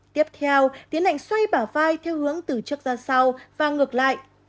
tiếp theo tiến hành xoay bảng vai theo hướng từ trước ra sau và ngược lại